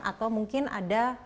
atau mungkin ada